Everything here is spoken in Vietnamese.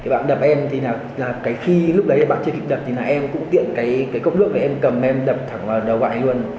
bạn đập em thì khi bạn chưa kịp đập thì em cũng tiện cốc lưỡi em cầm em đập thẳng vào đầu bạn ấy luôn